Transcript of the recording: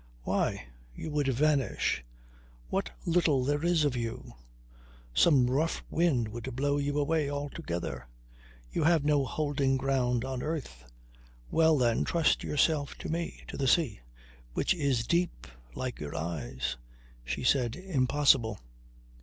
Why! You would vanish ... what little there is of you. Some rough wind will blow you away altogether. You have no holding ground on earth. Well, then trust yourself to me to the sea which is deep like your eyes." She said: "Impossible."